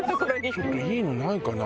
ちょっといいのないかな？